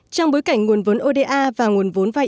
trong bối cảnh nguồn vốn oda và nguồn vốn vay